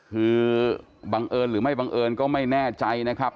คือบังเอิญหรือไม่บังเอิญก็ไม่แน่ใจนะครับ